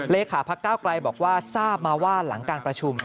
เลขาพักเก้าไกลบอกว่าทราบมาว่าหลังการประชุม